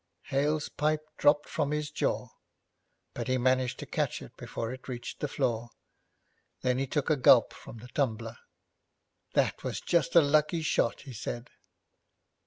Hale's pipe dropped from his jaw, but he managed to catch it before it reached the floor. Then he took a gulp from the tumbler. 'That was just a lucky shot,' he said.